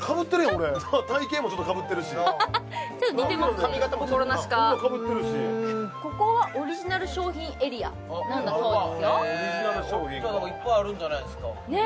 俺体形もちょっとかぶってるしハハハッちょっと似てますね髪形もやなかぶってるしここはオリジナル商品エリアなんだそうですよへえいっぱいあるんじゃないすかねえ